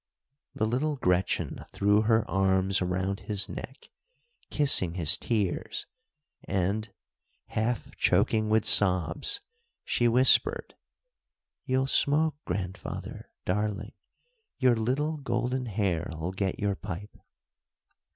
The little Gretchen threw her arms around his neck, kissing his tears, and, half choking with sobs, she whispered: "You'll smoke, grandfather, darling; your little Golden Hair'll get your pipe."